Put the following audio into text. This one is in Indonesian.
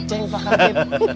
kacau pak kamtip